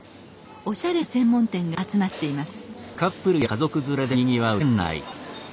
おしゃれな専門店が集まっています。